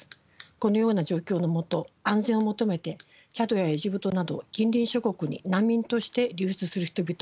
このような状況の下安全を求めてチャドやエジプトなど近隣諸国に難民として流出する人々も出ています。